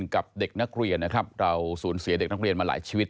กับเด็กนักเรียนนะครับเราสูญเสียเด็กนักเรียนมาหลายชีวิต